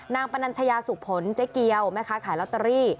ปนัญชยาสุขผลเจ๊เกียวแม่ค้าขายลอตเตอรี่